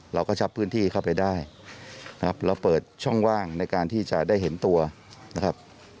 เราก็ชับพื้นที่เข้าไปได้นะครับเราเปิดช่องว่างในการที่จะได้เห็นตัวนะครับ